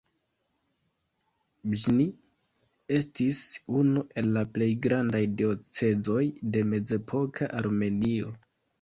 Bĵni estis unu el la plej grandaj diocezoj de mezepoka Armenio.